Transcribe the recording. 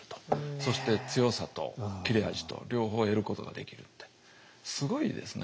そして強さと切れ味と両方得ることができるってすごいですね。